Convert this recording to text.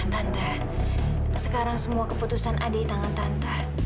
tante sekarang semua keputusan ada di tangan tante